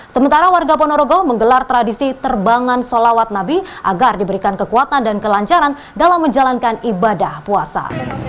sementara warga ponorogo menggelar tradisi terbangan solawat nabi agar diberikan kekuatan dan kelancaran dalam menjalankan ibadah puasa